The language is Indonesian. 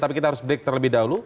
tapi kita harus break terlebih dahulu